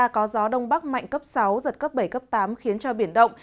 có gió đông bắc mạnh cấp sáu giật cấp bảy cấp tám khiến cho biển động